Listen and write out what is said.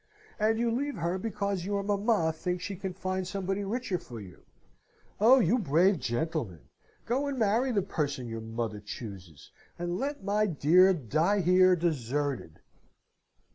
And you leave her because your mamma thinks she can find somebody richer for you! Oh, you brave gentleman! Go and marry the person your mother chooses, and let my dear die here deserted!"